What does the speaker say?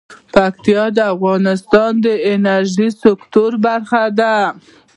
پکتیکا د افغانستان د انرژۍ سکتور برخه ده.